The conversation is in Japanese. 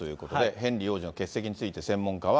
ヘンリー王子の欠席について、専門家は。